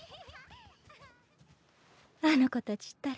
あの子たちったら。